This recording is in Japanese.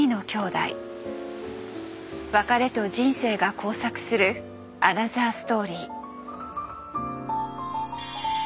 別れと人生が交錯するアナザーストーリー。